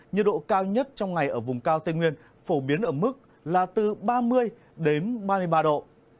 nhiệt độ cao nhất trong ngày ở vùng cao tây nguyên phổ biến ở mức là từ ba mươi đến ba mươi ba độ